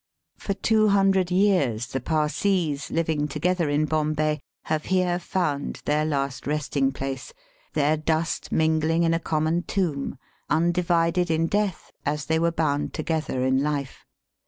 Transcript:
For two hundred years the Parsees, living together in Bombay, have here found their last resting place, their dust mingling in a common tomb, undivided in death as they were bound together in life.